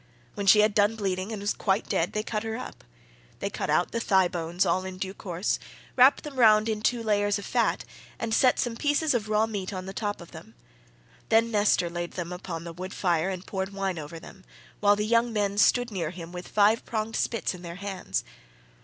When she had done bleeding and was quite dead, they cut her up. They cut out the thigh bones all in due course, wrapped them round in two layers of fat, and set some pieces of raw meat on the top of them; then Nestor laid them upon the wood fire and poured wine over them, while the young men stood near him with five pronged spits in their hands.